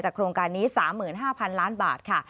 โครงการนี้๓๕๐๐๐ล้านบาทค่ะ